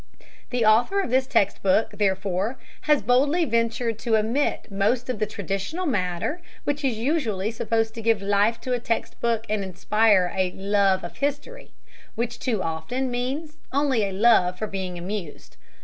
The author of this text book, therefore, has boldly ventured to omit most of the traditional matter which is usually supposed to give life to a text book and to inspire a "love of history," which too often means only a love of being amused.